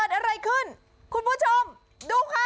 อะไรขึ้นคุณผู้ชมดูค่ะ